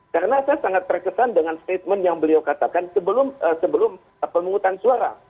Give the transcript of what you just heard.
karena saya sangat terkesan dengan statement yang beliau katakan sebelum pemungutan suara